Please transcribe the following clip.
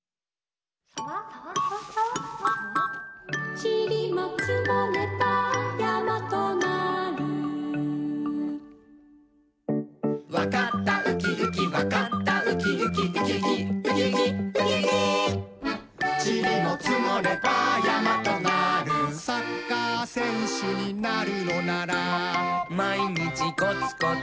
サワサワサワサワちりもつもればやまとなるわかったウキウキわかったウキウキウキウキウキウキウキウキちりもつもればやまとなるサッカーせんしゅになるのならまいにちコツコツ！